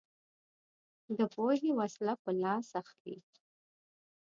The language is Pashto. دی پوهې وسله په لاس اخلي